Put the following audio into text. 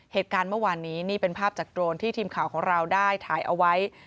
เหตุการณ์เมื่อวานนี้นี่เป็นภาพจากโดรนที่ทีมข่าวของเราได้ถ่ายเอาไว้